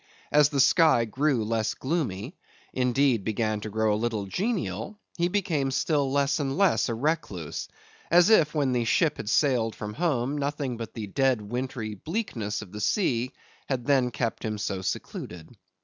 As the sky grew less gloomy; indeed, began to grow a little genial, he became still less and less a recluse; as if, when the ship had sailed from home, nothing but the dead wintry bleakness of the sea had then kept him so secluded.